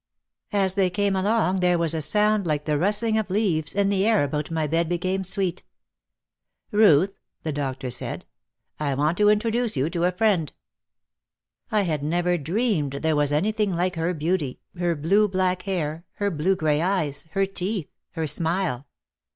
As they came along there was a sound like the rustling of leaves and the air about my bed became sweet. "Ruth," the doctor said, "I want to introduce you to a friend." I had never dreamed there was anything like her beauty, her blue black hair, her blue grey eyes, her teeth, her smile.